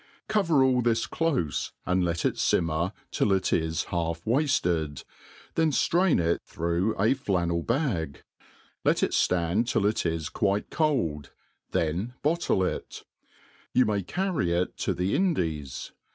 Cover all this clofe, and let it fimmer till it is half wafted, then ftrain it through a flannel bag; let it ftand till it is quite cold, cben bottle it. You may carry it to the Indies.